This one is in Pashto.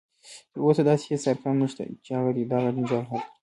تر اوسه داسې هیڅ ارقام نشته دی چې هغه دې دغه جنجال حل کړي